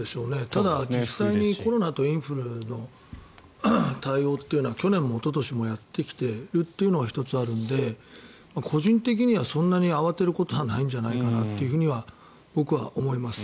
ただ、実際にコロナとインフルの対応というのは去年もおととしもやってきているというのは１つあるので個人的にはそんなに慌てることはないんじゃないかなというふうには僕は思います。